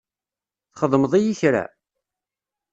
Txedmeḍ-iyi kra?